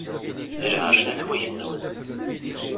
Lɛerc n At wagennun.